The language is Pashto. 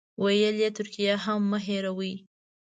ویل یې ترکیه هم مه هېروئ.